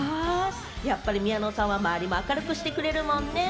やっぱり宮野さんは周りも明るくしてくれるもんね。